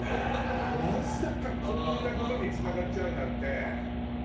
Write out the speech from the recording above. まさかこんな事につながっちゃうなんて。